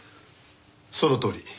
そのとおり。